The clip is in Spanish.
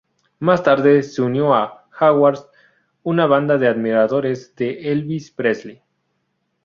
Más tarde se unió a "Jaguars", una banda de admiradores de Elvis Presley.